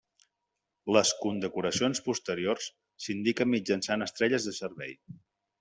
Les condecoracions posteriors s'indiquen mitjançant estrelles de servei.